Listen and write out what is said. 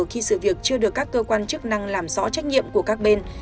khi sự việc chưa được các cơ quan chức năng làm rõ trách nhiệm của các bên